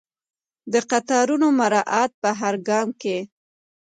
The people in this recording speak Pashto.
د قطارونو مراعات په هر ګام کې.